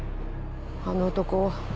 あの男